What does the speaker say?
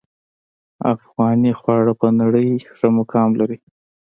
افغاني خواړه په نړۍ ښه مقام لري